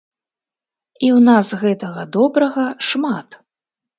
І ў нас гэтага добрага шмат.